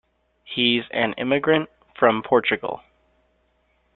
He's an immigrant from Portugal.